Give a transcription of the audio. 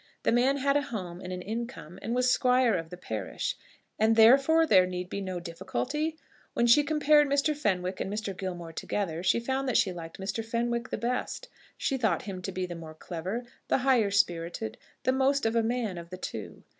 The man had a home and an income, and was Squire of the parish; and therefore there need be no difficulty! When she compared Mr. Fenwick and Mr. Gilmore together, she found that she liked Mr. Fenwick the best. She thought him to be the more clever, the higher spirited, the most of a man of the two.